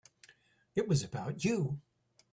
It was about you.